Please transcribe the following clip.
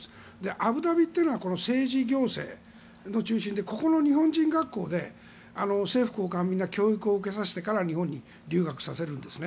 アブダビというのは政治行政の中心でここの日本人学校で政府高官みんな教育を受けさせてから日本に留学させるんですね。